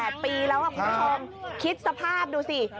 ดู๖๘ปีแล้วคุณแม่คมคิดสภาพดูสิ